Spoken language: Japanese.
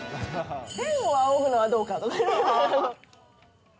天を仰ぐのはどうかとか。